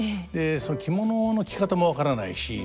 その着物の着方も分からないし。